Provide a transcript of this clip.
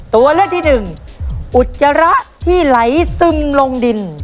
ตัวเลือกที่หนึ่งอุจจาระที่ไหลซึมลงดิน